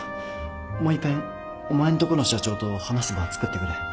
もう一遍お前んとこの社長と話す場つくってくれ